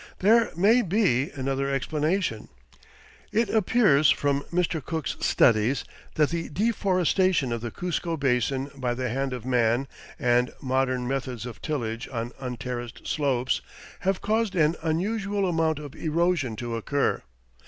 There may be another explanation. It appears from Mr. Cook's studies that the deforestation of the Cuzco Basin by the hand of man, and modern methods of tillage on unterraced slopes, have caused an unusual amount of erosion to occur.